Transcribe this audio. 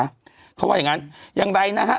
เขาว่าอย่างงั้นอย่างไรนะฮะ